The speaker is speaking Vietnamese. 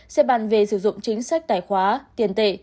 sẽ bàn về sử dụng chính sách tài khóa tiền tệ